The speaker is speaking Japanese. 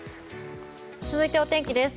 続いて、お天気です。